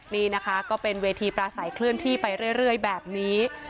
นี่นะคะก็เป็นเวทีปราศัยเคลื่อนที่ไปเรื่อยแบบนี้